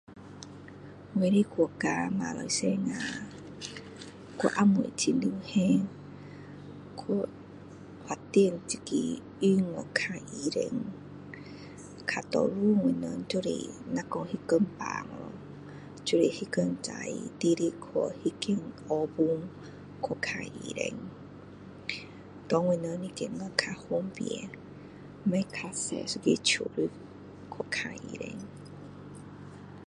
我的国家马来西亚还没有很流行还发展这个预约看医生大多数我们就是比如说那天病去就是那天早上直直去那间诊所看医生给我们觉得较方便不用多一个手续去看医生